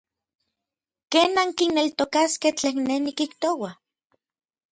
¿ken ankineltokaskej tlen nej nikijtoua?